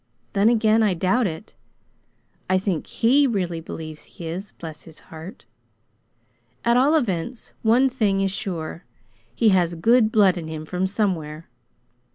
Then again I doubt it. I think HE really believes he is bless his heart! At all events, one thing is sure: he has good blood in him from somewhere.